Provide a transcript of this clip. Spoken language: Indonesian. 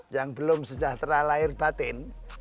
yang belum sejahtera lahir batin